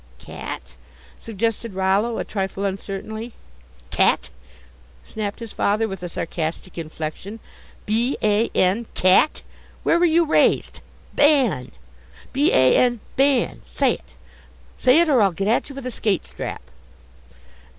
"Cat?" suggested Rollo, a trifle uncertainly. "Cat?" snapped his father, with a sarcastic inflection, "b a n, cat! Where were you raised? Ban! B a n Ban! Say it! Say it, or I'll get at you with a skate strap!"